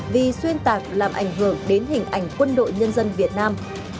vì xuyên tạc làm ảnh hưởng đến hình ảnh quân đội nhân dân việt nam